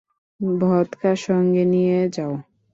Vodka সঙ্গে করে নিয়ে যাও।